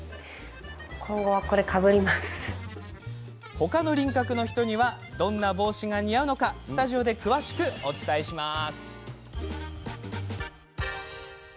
他の輪郭タイプの人にはどんな帽子が似合うのかスタジオで詳しくお伝えします。